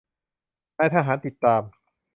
นายทหารติดตาม